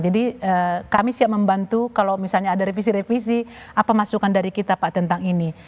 kami siap membantu kalau misalnya ada revisi revisi apa masukan dari kita pak tentang ini